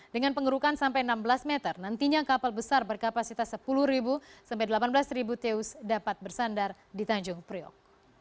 dengan pengerukan sampai enam belas meter nantinya kapal besar berkapasitas sepuluh sampai delapan belas teus dapat bersandar di tanjung priok